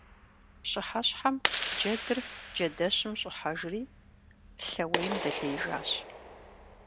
Пщыхьэщхьэм джэдыр джэдэщым щӀыхьэжри лъэуейм дэлъеижащ.